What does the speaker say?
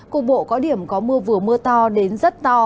cục bộ có điểm có mưa vừa mưa to đến rất to